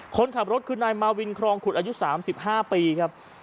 คนขับรถคือนายมาวินครองขุดอายุ๓๕ปีครับ